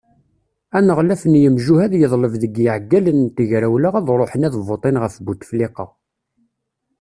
Aneɣlaf n yemjuhad yeḍleb deg iɛeggalen n tegrawla ad ṛuḥen ad votin ɣef Butefliqa.